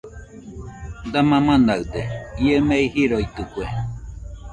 !Dama manaɨde¡ ie mei jiroitɨke